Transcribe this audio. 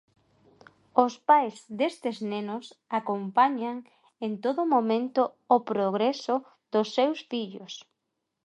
Os pais destes nenos acompañan en todo momento o progreso dos seus fillos.